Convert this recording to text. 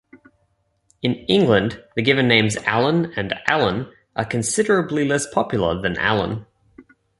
In England, the given names "Allan" and "Allen" are considerably less popular than "Alan".